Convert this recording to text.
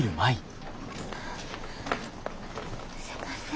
すいません。